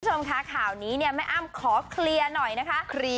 คุณผู้ชมค่ะข่าวนี้เนี่ยแม่อ้ำขอเคลียร์หน่อยนะคะ